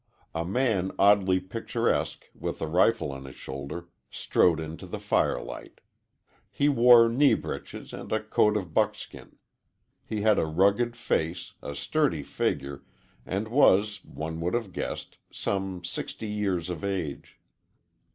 A man oddly picturesque, with a rifle on his shoulder, strode into the firelight. He wore knee breeches and a coat of buckskin. He had a rugged face, a sturdy figure, and was, one would have guessed, some sixty years of age.